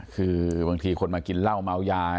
คือบางทีคนมากินเหล้าเมายา